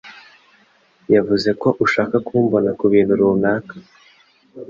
yavuze ko ushaka kumbona kubintu runaka?